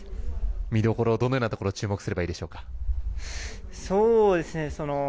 見どころどのようなところに注目すればいいでしょうか。